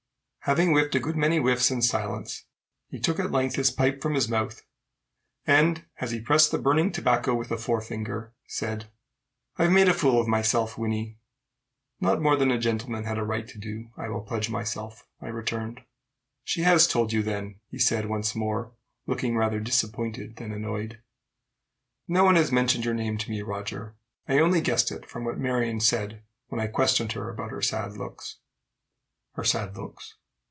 Having whiffed a good many whiffs in silence, he took at length his pipe from his mouth, and, as he pressed the burning tobacco with a forefinger, said, "I've made a fool of myself, Wynnie." "Not more than a gentleman had a right to do, I will pledge myself," I returned. "She has told you, then?" he said once more, looking rather disappointed than annoyed. "No one has mentioned your name to me, Roger. I only guessed it from what Marion said when I questioned her about her sad looks." "Her sad looks?"